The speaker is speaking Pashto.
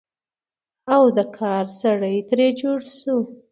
او د کار سړى تر جوړ شو،